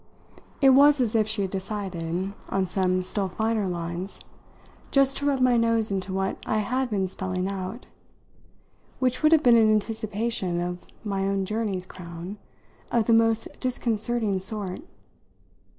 It was as if she had decided, on some still finer lines, just to rub my nose into what I had been spelling out; which would have been an anticipation of my own journey's crown of the most disconcerting sort.